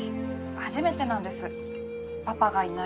初めてなんですパパがいない夜って。